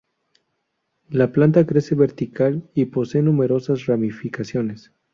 La planta crece vertical y posee numerosas ramificaciones.